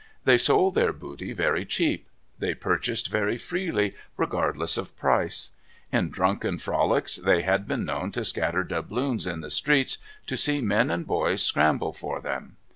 They sold their booty very cheap. They purchased very freely, regardless of price. In drunken frolics they had been known to scatter doubloons in the streets to see men and boys scramble for them.